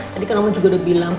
tadi kan om juga udah bilang